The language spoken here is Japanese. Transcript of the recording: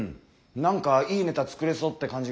なんかいいネタ作れそうって感じがするぜ。